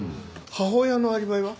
母親のアリバイは？